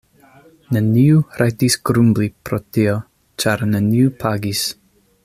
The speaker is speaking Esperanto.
Neniu rajtis grumbli pro tio, ĉar neniu pagis.